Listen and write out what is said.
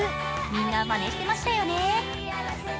みんな、まねしてましたよね。